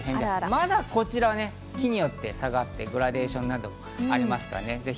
まだこちらは木によって差があってグラデーションがありますね。